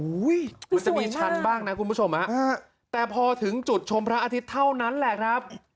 มันจะมีชันบ้างนะคุณผู้ชมฮะแต่พอถึงจุดชมพระอาทิตย์เท่านั้นแหละครับ